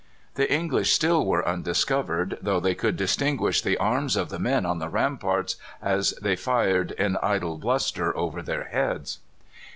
The English still were undiscovered, though they could distinguish the arms of the men on the ramparts, as they fired in idle bluster over their heads.